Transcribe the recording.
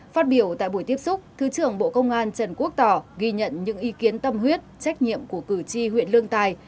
phát biểu tại buổi tiếp xúc thứ trưởng bộ công an trần quốc tỏ ghi nhận những ý kiến tâm huyết trách nhiệm của cử tri huyện lương tài